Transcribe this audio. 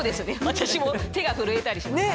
私も手が震えたりします。